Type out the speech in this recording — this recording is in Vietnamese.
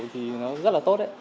thì nó rất là tốt đấy